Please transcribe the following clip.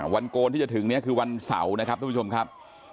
โกนที่จะถึงเนี่ยคือวันเสาร์นะครับทุกผู้ชมครับ